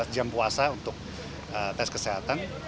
dua belas jam puasa untuk tes kesehatan